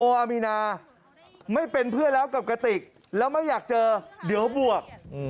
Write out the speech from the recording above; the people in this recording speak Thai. อามีนาไม่เป็นเพื่อนแล้วกับกระติกแล้วไม่อยากเจอเดี๋ยวบวก